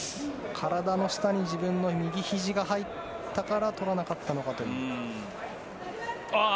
体の下に自分の右ひじが入ったから取らなかったのかと。